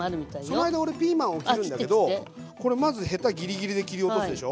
その間俺ピーマンを切るんだけどこれまずヘタぎりぎりで切り落とすでしょ。